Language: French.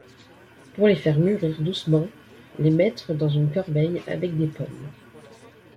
Pour les faire mûrir doucement, les mettre dans une corbeille avec des pommes.